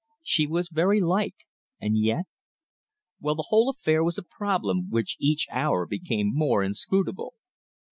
She was very like and yet? Well, the whole affair was a problem which each hour became more inscrutable.